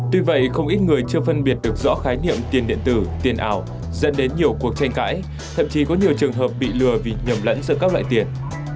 tuy vậy không ít người chưa phân biệt được rõ khái niệm tiền điện tử tiền ảo dẫn đến nhiều cuộc tranh cãi thậm chí có nhiều trường hợp bị lừa vì nhầm lẫn giữa các loại tiền